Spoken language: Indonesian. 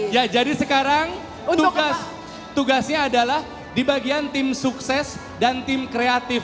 ya jadi sekarang tugasnya adalah di bagian tim sukses dan tim kreatif